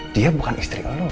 dia bukan istri lo